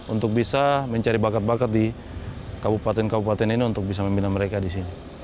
untuk bisa mencari bakat bakat di kabupaten kabupaten ini untuk bisa membina mereka di sini